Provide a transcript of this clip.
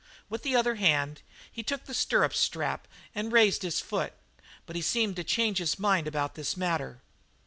With the other hand he took the stirrup strap and raised his foot, but he seemed to change his mind about this matter.